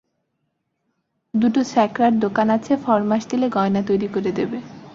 দুটো স্যাকরার দোকান আছে, ফরমাশ দিলে গয়না তৈরি করে দেবে।